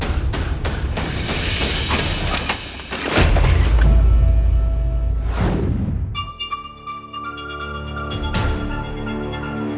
ada orang yang mau mencalagi saya pak